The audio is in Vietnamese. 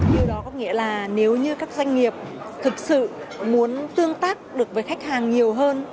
điều đó có nghĩa là nếu như các doanh nghiệp thực sự muốn tương tác được với khách hàng nhiều hơn